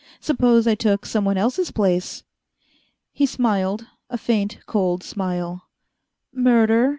"Suppose I took someone else's place?" He smiled, a faint, cold smile. "Murder?